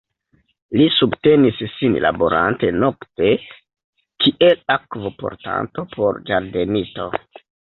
Li subtenis sin laborante nokte kiel akvo-portanto por ĝardenisto.